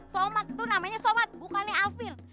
soman tuh namanya soman bukannya arvin